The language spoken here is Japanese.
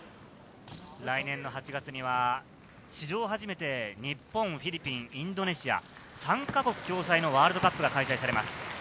来年８月には史上初めて日本、フィリピン、インドネシア、３か国共催のワールドカップが開催されます。